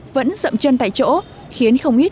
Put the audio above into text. vẫn dậm chân tại chỗ khiến không ít